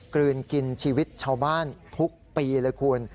กลืนกินชีวิตชาวบ้านทุกปีเลยคุณ